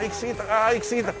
あー行き過ぎた。